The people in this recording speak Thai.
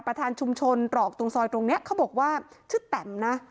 ประธานชุมชนตรอกตรงซอยตรงนี้เขาบอกว่าชื่อแตมนะ